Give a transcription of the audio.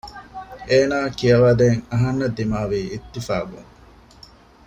އޭނާއަށް ކިޔަވާ ދޭން އަހަންނަށް ދިމާވީ އިއްތިފާގަކުން